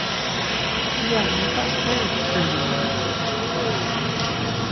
İya let̆aşperi tsxenii?